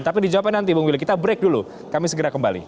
tapi dijawabkan nanti bung willy kita break dulu kami segera kembali